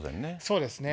そうですね。